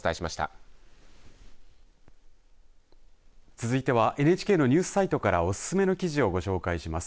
続いてはＮＨＫのニュースサイトからおすすめの記事をご紹介します。